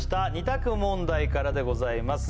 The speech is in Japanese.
２択問題からでございます